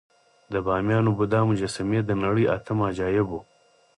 د بامیانو بودا مجسمې د نړۍ اتم عجایب وو